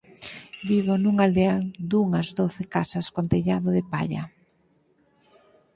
Vivo nunha aldea dunhas doce casas con tellado de palla.